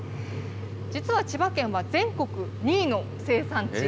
実は千葉県は、全国２位の生産地。